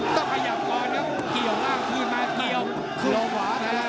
ถ้าขยับก่อนก็เกี่ยวมากคืนมาเกี่ยวลงหวะ